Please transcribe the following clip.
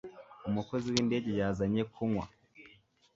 Umukozi windege yazanye kunywa.